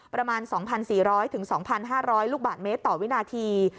ประมาณ๒๔๐๐๒๕๐๐ลูกบาทเมตรต่อวินาที